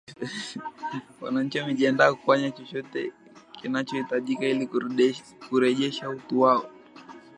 wananchi wamejiandaa kufanya chochote kinachohitajika ili kurejesha utu wao